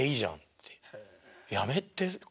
って。